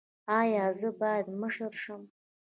ایا زه باید مشر شم؟